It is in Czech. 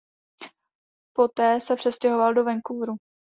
Po té se přestěhoval do Vancouveru.